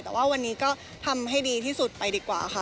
แต่ว่าวันนี้ก็ทำให้ดีที่สุดไปดีกว่าค่ะ